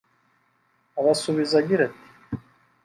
abasubiza agira ati